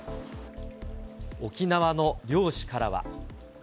沖縄の漁師からは。